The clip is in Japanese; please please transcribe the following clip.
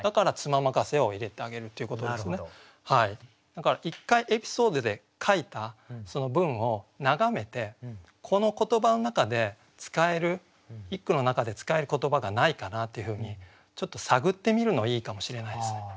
だから一回エピソードで書いた文を眺めてこの言葉の中で使える一句の中で使える言葉がないかなっていうふうにちょっと探ってみるのいいかもしれないですね。